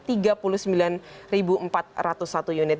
dan di sini sebanyak satu empat ratus satu unit